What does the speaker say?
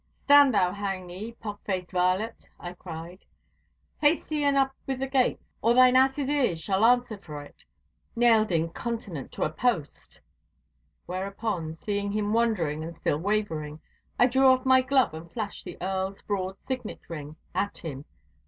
'Stand thou, hang thee, pock faced varlet!' I cried; 'haste thee and up with the gates, or thine ass's ears shall answer for it, nailed incontinent to a post!' Whereupon, seeing him wondering and still wavering, I drew off my glove and flashed the Earl's broad signet ring at him.